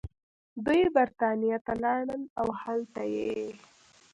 دوي برطانيه ته لاړل او هلتۀ ئې